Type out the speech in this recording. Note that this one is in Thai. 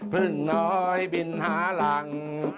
พึ่งน้อยบินหาหลัง